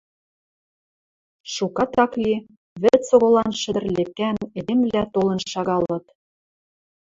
Шукат ак ли, вӹц оголан шӹдӹр лепкӓӓн эдемвлӓ толын шагалыт...